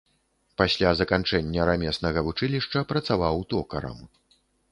Пасля заканчэння рамеснага вучылішча працаваў токарам.